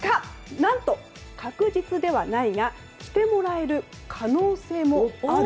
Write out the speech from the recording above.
何と、確実ではないが着てもらえる可能性もある。